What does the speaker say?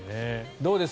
どうです？